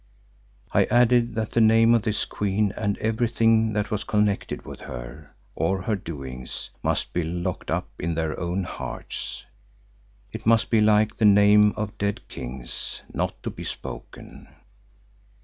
I added that the name of this queen and everything that was connected with her, or her doings, must be locked up in their own hearts. It must be like the name of dead kings, not to be spoken.